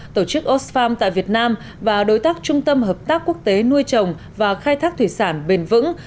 tổ chức osfarm tại việt nam và đối tác trung tâm hợp tác quốc tế nuôi trồng và khai thác thủy sản bền vững